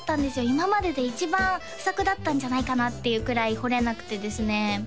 今までで一番不作だったんじゃないかなっていうくらい掘れなくてですね